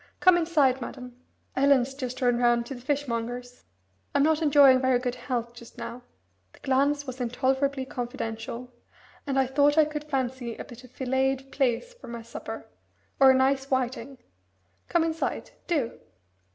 Come inside, madam. Ellen's just run round to the fishmonger's. I'm not enjoying very good health just now" the glance was intolerably confidential "and I thought I could fancy a bit of filleted plaice for my supper, or a nice whiting. Come inside, do!"